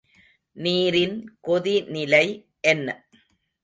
நீரின் கொதிநிலை என்ன?